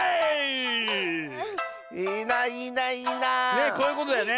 ねえこういうことだよね。